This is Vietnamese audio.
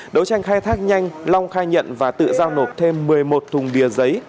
đấu tranh khai thác nhanh long khai nhận và tự giao nộp thêm một mươi một thùng bia giấy